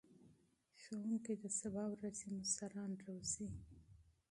ښوونکي د سبا ورځې مشران روزي.